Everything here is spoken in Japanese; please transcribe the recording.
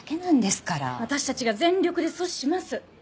私たちが全力で阻止します。